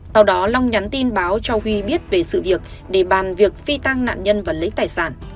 sau đó long nhắn tin báo cho huy biết về sự việc để bàn việc phi tăng nạn nhân và lấy tài sản